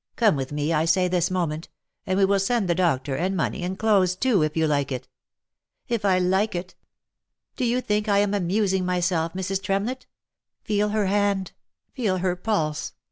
come with me I say this moment, and we will send the doctor, and money, and clothes too, if you like it." " If I like it !— Do you think I am amusing myself, Mrs. Tremlett ?— Feel her hand — feel her pulse